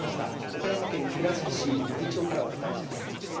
岡山県倉敷市真備町からお伝えします。